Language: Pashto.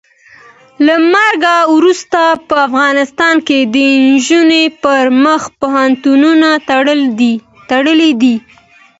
له مرګه وروسته په افغانستان کې د نجونو پر مخ پوهنتونونه تړلي دي.